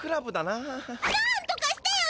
なんとかしてよ